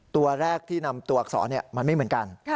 ตัวแรกที่นำตัวอักษรมันไม่เหมือนกัน